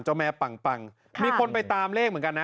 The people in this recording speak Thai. เจ้าแม่ปัง